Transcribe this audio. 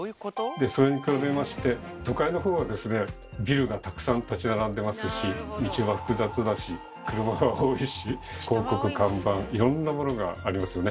それに比べまして都会のほうはですねビルがたくさん立ち並んでますし道は複雑だし車が多いし広告看板いろんなものがありますよね。